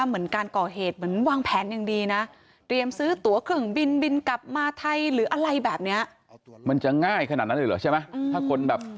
มันจะง่ายขนาดนั้นหรือใช่ไหมถ้าคนแบบ